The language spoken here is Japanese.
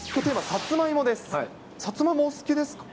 さつまいも、お好きですか？